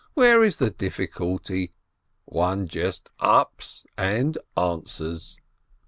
Where is the difficulty? One just ups and answers!"